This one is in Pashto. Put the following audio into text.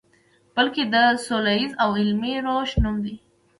بلکې د سولیز او علمي روش نوم دی.